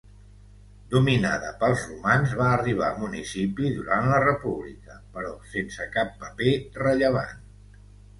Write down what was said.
Dominada pels romans va arribar a municipi durant la república, però sense cap paper rellevant.